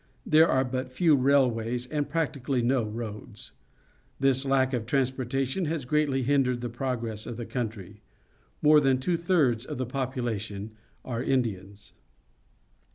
There are but few railways and practically no roads. This lack of transportation has greatly hindered the progress of the country. More than two thirds of the population are Indians.